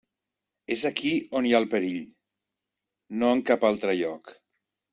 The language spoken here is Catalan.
És aquí on hi ha el perill, i no en cap altre lloc.